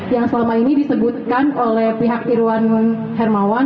yang selama ini disebutkan oleh pihak irwan hermawan